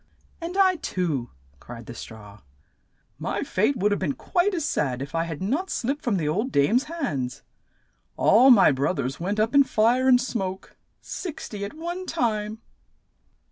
"And I too!" cried the straw. "My fate would have been quite as sad if I had not slipped from the old dame's hands. All my broth ers went up in fire and smoke — six ty at one time."